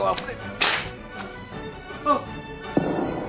あっ！